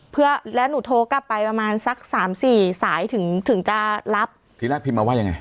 เพื่อแล้วหนูโทรกลับไปประมาณสักสามสี่สายถึงถึงจะรับทีแรกพิมพ์มาว่ายังไง